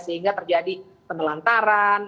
sehingga terjadi penelantaran